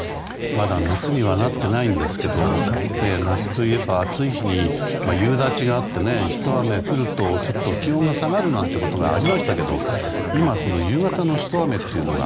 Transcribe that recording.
まだ夏にはなっていないんですけどかつて夏といえば暑い日に夕立があってねひと雨来ると、ちょっと気温が下がることがありましたけど今は、夕方のひと雨が